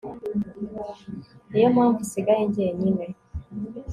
niyo mpamvu nsigaye ngenyine